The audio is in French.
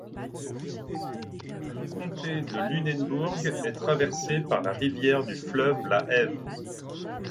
Le comté de Lunenburg est traversé par la rivière du Fleuve La Hève.